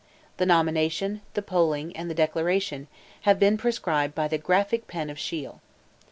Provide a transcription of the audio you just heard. The nomination, the polling, and the declaration, have been described by the graphic pen of Shiel.